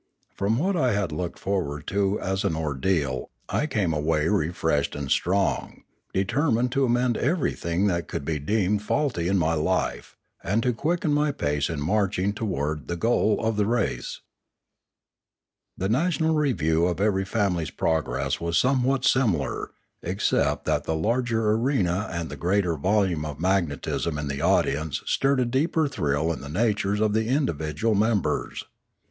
From what I had looked forward to as an ordeal I came away refreshed and strong, determined to amend everything that could be deemed faulty in my life, and to quicken my pace in marching towards the goal of the race. The national review of every family's progress was somewhat similar, except that the larger arena and the greater volume of magnetism in the audience stirred a deeper thrill in the natures of the individual members.